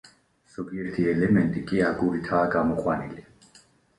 ზოგიერთი ელემენტი კი აგურითაა გამოყვანილი.